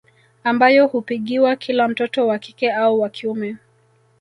Ambayo hupigiwa kila mtoto wa kike au wa kiume